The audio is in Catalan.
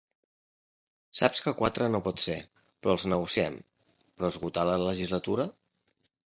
Saps que quatre no pot ser, però els negociem… però esgotar la legislatura.